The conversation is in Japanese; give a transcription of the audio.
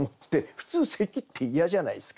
普通咳って嫌じゃないすか。